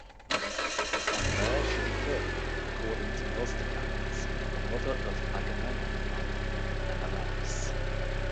And there she became, according to most accounts, the mother of Agamemnon and Menelaus.